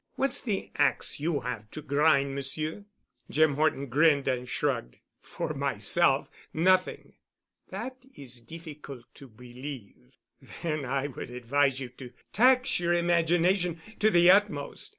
What's the ax you have to grind, Monsieur?" Jim Horton grinned and shrugged. "For myself—nothing." "That is difficult to believe." "Then I would advise you to tax your imagination to the utmost.